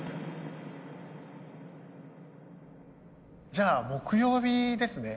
じゃあ木曜日ですね。